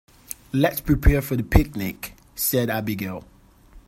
"Let's prepare for the picnic!", said Abigail.